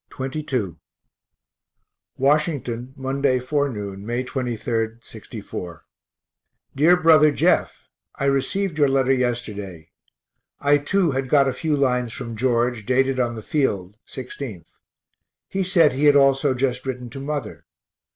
XXII Washington, Monday forenoon, May 23, '64. DEAR BROTHER JEFF I received your letter yesterday. I too had got a few lines from George, dated on the field, 16th. He said he had also just written to mother.